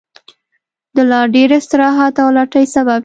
د لا ډېر استراحت او لټۍ سبب شو.